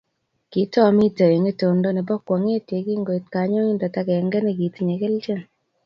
Kitomitei eng itondo nebo kwong'et ye kingoit kanyoindet agenege, "Itinye kelchin".